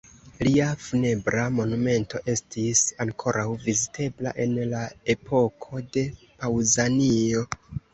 Lia funebra monumento estis ankoraŭ vizitebla en la epoko de Paŭzanio.